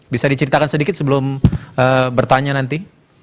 bisa diceritakan sedikit sebelum bertanya nanti